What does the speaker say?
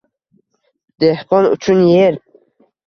dehqon uchun yer